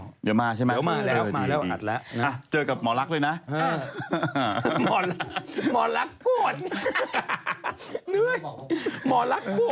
เนี่ยเดี๋ยวเขามาออกรายการของขนุดัว